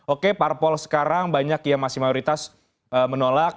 oke parpol sekarang banyak yang masih mayoritas menolak